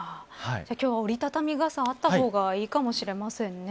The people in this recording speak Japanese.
今日は折り畳み傘あった方がいいかもしれませんね。